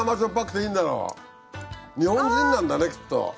日本人なんだねきっと。